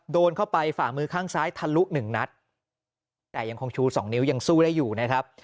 โดนเข้าไปฝ่ามือข้างซ้ายทะลุหนึ่งนัดแต่ยังคงชูสองนิ้วยังสู้ได้อยู่นะครับ